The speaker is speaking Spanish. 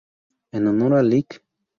En honor al Lic.